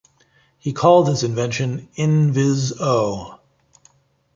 He called his invention "N-vis-o".